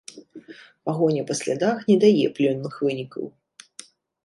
Пагоня па слядах не дае плённых вынікаў.